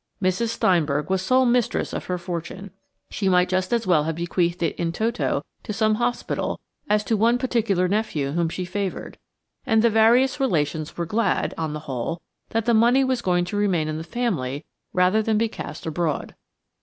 Mrs. Steinberg was sole mistress of her fortune. She might just as well have bequeathed it in toto to some hospital as to one particular nephew whom she favoured, and the various relations were glad, on the whole, that the money was going to remain in the family rather than be cast abroad.